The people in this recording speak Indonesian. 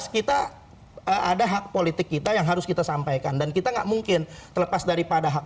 kita ada hak politik kita yang harus kita sampaikan dan kita nggak mungkin terlepas daripada hak